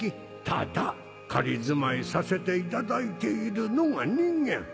ただ仮住まいさせて頂いているのが人間。